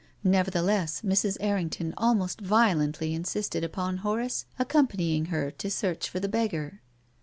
Nevertheless, Mrs. Errington almost violently insisted upon Horace accompanying her to search for the beggar.